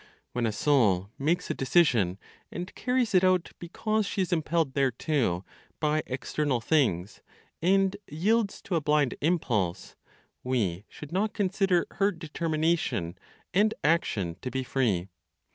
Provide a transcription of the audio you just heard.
When a soul makes a decision, and carries it out because she is impelled thereto by external things, and yields to a blind impulse, we should not consider her determination and action to be free.